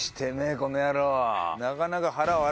この野郎！